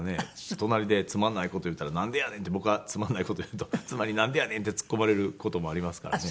隣でつまんない事言ったら「なんでやねん」って僕がつまんない事言うと妻に「なんでやねん」ってツッコまれる事もありますからね。